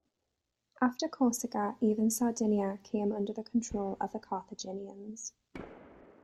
After Corsica, even Sardinia came under the control of the Carthaginians.